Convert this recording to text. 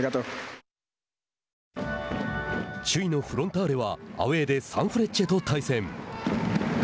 首位のフロンターレはアウェーでサンフレッチェと対戦。